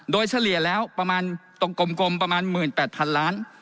โดยเฉลี่ยแล้วประมาณตรงกลมประมาณ๑๘๐๐๐ล้าน